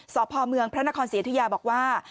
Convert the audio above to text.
สพเมืองพระนครศรีอยุธยาบอกว่า